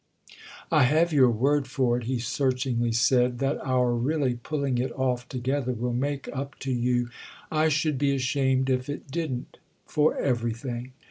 "I have your word for it," he searchingly said, "that our really pulling it off together will make up to you——?" "I should be ashamed if it didn't, for everything!"